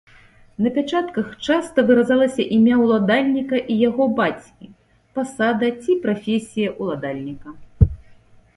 На пячатках часта выразалася імя ўладальніка і яго бацькі, пасада ці прафесія ўладальніка.